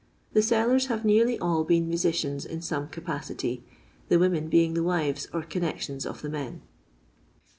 The sellers have nearly all been musicians in some capacity, the women being the wives or connections of the men.